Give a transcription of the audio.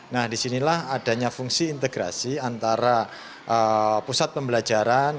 nah di sinilah adanya fungsi integrasi antara pusat pembelajaran